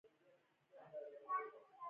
اداره د دې په تنظیم او ترتیب مکلفه ده.